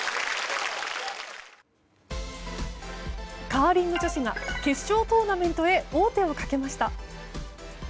カーリング女子が決勝トーナメントへ王手をかけました。